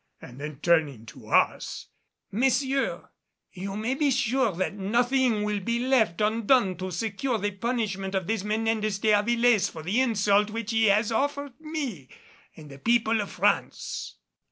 And then turning to us, "Messieurs, you may be sure that nothing will be left undone to secure the punishment of this Menendez de Avilés for the insult which he has offered me and the people of France."